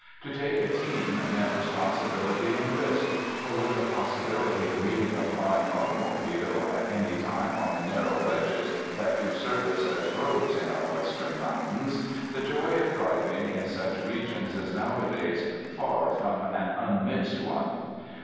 To take a team meant responsibility and risk; for, with the possibility of meeting a flying automobile at any time on the narrow ledges that do service as roads in our Western mountains, the joy of driving in such regions is nowadays far from an unmixed one.